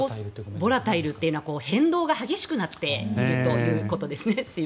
ボラタイルというのは変動が激しくなっているということですね。